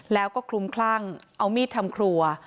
แล้วก็คลุมคลั่งเอามีดทำครัว